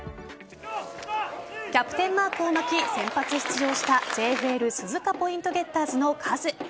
キャプテンマークを巻き先発出場したＪＦＬ鈴鹿ポイントゲッターズのカズ。